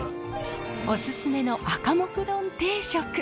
おすすめのアカモク丼定食。